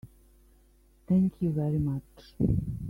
Thank you very much.